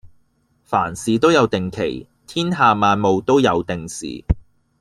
凡事都有定期，天下萬務都有定時